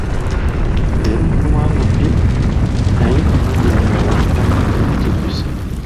Leero mutuwangudde naye ku mulundi omulala nammwe mujja kukyejjusa.